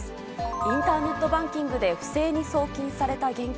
インターネットバンキングで不正に送金された現金